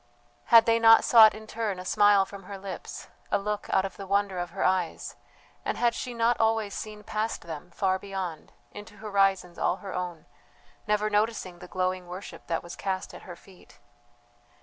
Had they not sought in turn a smile from her lips, a look out of the wonder of her eyes, and had she not always seen past them, far beyond, into horizons all her own, never noticing the glowing worship that was cast at her feet?